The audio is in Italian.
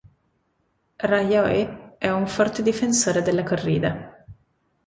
Rajoy è un forte difensore della corrida.